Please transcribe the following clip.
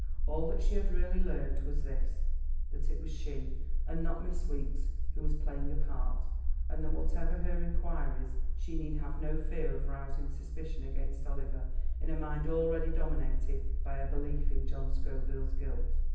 All that she had really learned was this: that it was she, and not Miss Weeks who was playing a part, and that whatever her inquiries, she need have no fear of rousing suspicion against Oliver in a mind already dominated by a belief in John Scoville's guilt.